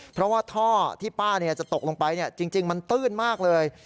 เพราะว่าท่อที่ป้าจะตกลงไปจริงมันตื้นมากเลย